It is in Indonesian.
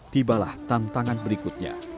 tibalah tantangan berikutnya